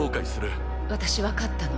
私分かったの。